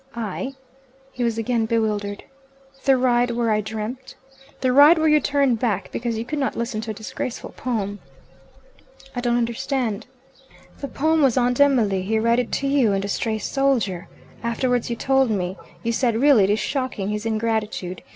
"I " he was again bewildered. "The ride where I dreamt " "The ride where you turned back because you could not listen to a disgraceful poem?" "I don't understand." "The poem was Aunt Emily. He read it to you and a stray soldier. Afterwards you told me. You said, 'Really it is shocking, his ingratitude.